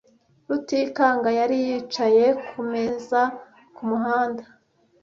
Rutikanga yari yicaye kumeza kumuhanda.